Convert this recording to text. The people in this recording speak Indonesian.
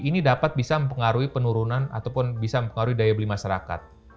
ini dapat bisa mempengaruhi penurunan ataupun bisa mempengaruhi daya beli masyarakat